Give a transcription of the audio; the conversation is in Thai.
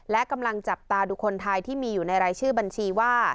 และกำลังจับตาดูคนไทยที่มีอยู่ในรายชื่อบัญชีว่า